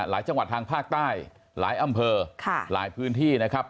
จังหวัดทางภาคใต้หลายอำเภอหลายพื้นที่นะครับ